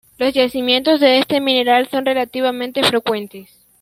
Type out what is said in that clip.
Los yacimientos de este mineral son relativamente frecuentes.